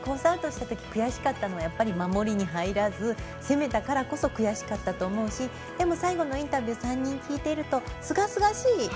アウトしたとき悔しかったのはやっぱり守りに入らず攻めたからこそ悔しかったと思うしでも、最後のインタビュー３人聞いていると、すがすがしい。